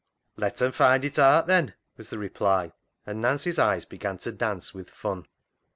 " Let 'cm find it aat then," was the reply, and Nancy's eyes began to dance with fun.